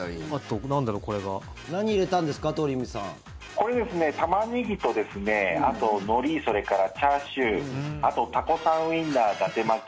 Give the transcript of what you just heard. これ、タマネギとあとのり、それからチャーシューあとタコさんウインナーだて巻き